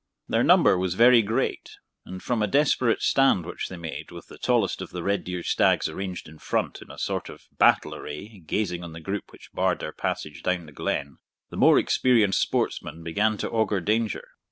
Their number was very great, and from a desperate stand which they made, with the tallest of the red deer stags arranged in front, in a sort of battle array, gazing on the group which barred their passage down the glen, the more experienced sportsmen began to augur danger.